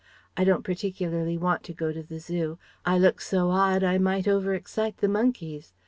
I don't particularly want to go to the Zoo. I look so odd I might over excite the monkeys.